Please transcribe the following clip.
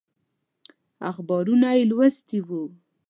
اخبارونه یې لوستي وو.